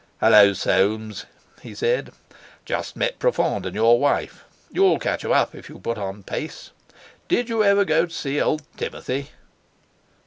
"Hallo, Soames!" he said. "Just met Profond and your wife. You'll catch 'em if you put on pace. Did you ever go to see old Timothy?"